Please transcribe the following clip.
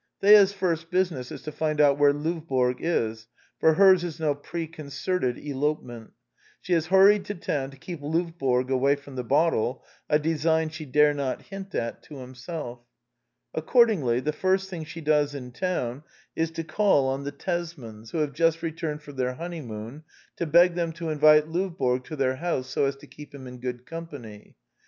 Thea's first business is to find out where Lovborg is ; for hers is no preconcerted elopement: she has hur ried to town to keep Lovborg away from the botde, a design she dare not hint at to himself. Accordingly, the first thing she does in town is to call on the Tesmans, who have just returned from their honeymoon, to beg them to invite Lovborg to their house so as to keep him in good company.